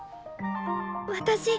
私